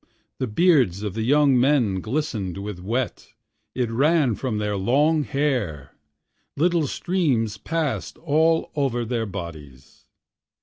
The beards of the young men glistenâd with wet, it ran from their long hair, Little streams passâd all over their bodies.